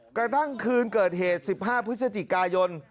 กระทั่งคืนเกิดเหตุ๑๕พฤศจิกายน